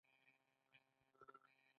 دوزخ د بدانو ځای دی